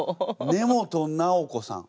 根本七保子さん。